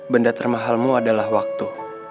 benda termahalmu adalah waktu